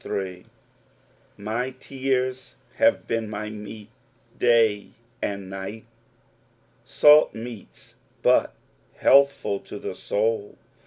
— "Jfji tenn have heen my meat day and nisht." Salt meats, but healthful to the soul.